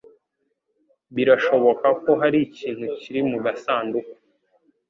Birashoboka ko hari ikintu kiri mu gasanduku.